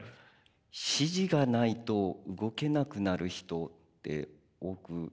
指示がないと動けなくなる人って多くないですかね？